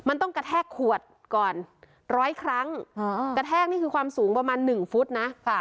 มันต้องกระแทกขวดก่อนร้อยครั้งกระแทกนี่คือความสูงประมาณ๑ฟุตนะ